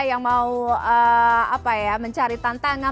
yang mau mencari tantangan